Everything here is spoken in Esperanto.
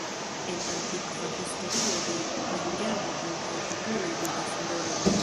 En antikva historio de Panĝabo multaj popoloj ludas rolon.